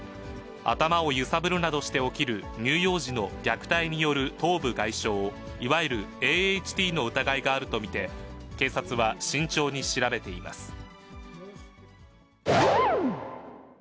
頭を揺さぶるなどして起きる乳幼児の虐待による頭部外傷、いわゆるＡＨＴの疑いがあると見て、警察は、慎重に調べています。